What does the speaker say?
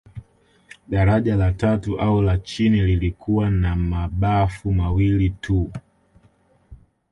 Daraja la tatu au la chini lilikuwa na mabafu mawili tu